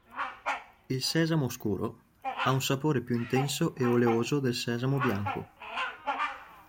Il sesamo scuro ha un sapore più intenso e oleoso del sesamo bianco.